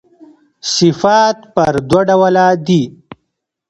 صفات پر دوه ډوله دي.